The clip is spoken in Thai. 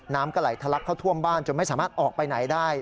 น้ำก็ไหลทะลักเข้าท่วมบ้านจนไม่สามารถออกไปไหนได้